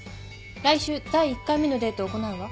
来週第１回目のデートを行うわ。